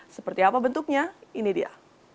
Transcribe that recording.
seperti apa bentuknya ini dia